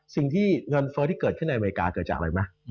สิ่งจุดเกิดขึ้นในอเมริกาเกิดจากอะไรมั๊ะ